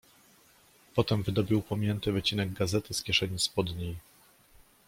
"Potem wydobył pomięty wycinek gazety z kieszeni spodniej."